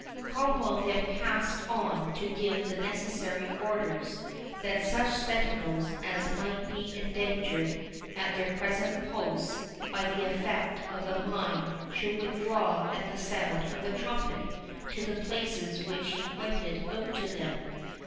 Cromwell then passed on to give the necessary orders, that such sentinels as might be endangered at their present posts by the effect of the mine, should withdraw at the sound of the trumpet to the places which he pointed out to them.